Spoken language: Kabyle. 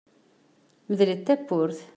Medlet tawwurt.